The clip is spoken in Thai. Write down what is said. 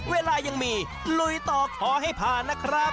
เวลายังมีลุยต่อขอให้ผ่านนะครับ